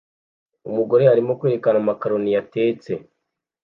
Umugore arimo kwerekana makaroni yatetse